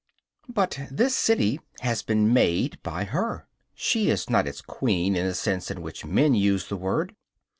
But this city has been made by her. She is not its queen in the sense in which men use the word.